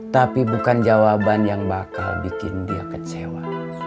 tapi bukan jawaban yang bakal bikin dia kecewa